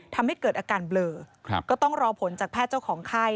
ทำให้เกิดอาการเบลอก็ต้องรอผลจากแพทย์เจ้าของไข้